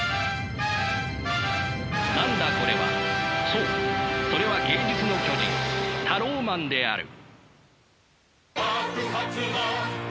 そうそれは芸術の巨人タローマンである。